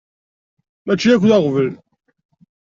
Mačči akk d aɣbel.